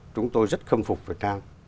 chúng tôi rất khâm phục việt nam